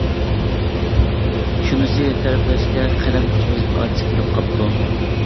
شۇنىسى تەرىپلەشكە قەلەم كۈچىڭىز ئاجىز كېلىپ قاپتۇ.